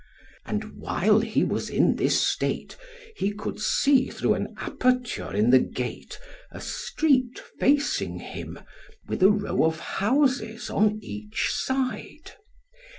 And while he was in this state, he could see through an aperture in the gate, a street facing him, with a row of houses on each side.